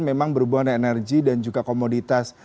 memang berhubungan dengan energi dan juga komoditas